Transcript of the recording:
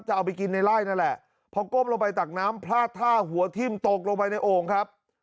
เอาไปกินในไล่นั่นแหละพอก้มลงไปตักน้ำพลาดท่าหัวทิ้มตกลงไปในโอ่งครับ